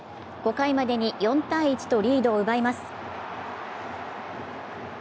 ５回までに４−１とリードを奪います。